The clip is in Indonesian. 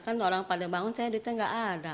karena kan orang pada bangun saya duitnya tidak ada